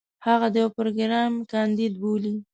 هغه د يو پروګرام کانديد بولي.